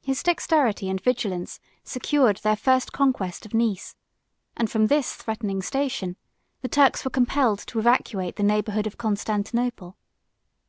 His dexterity and vigilance secured their first conquest of Nice; and from this threatening station the Turks were compelled to evacuate the neighborhood of Constantinople.